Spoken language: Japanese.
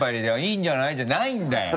「いいんじゃない？」じゃないんだよ！